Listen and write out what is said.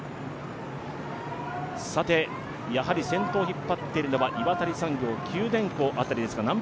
さて、やはり先頭を引っ張っているのは岩谷産業、九電工辺りでしょうか。